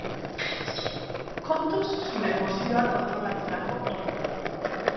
Kontuz zure emozioak kontrolatzerako orduan.